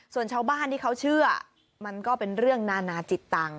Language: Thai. ส่วนชาวบ้านที่เขาเชื่อมันก็เป็นเรื่องนานาจิตตังค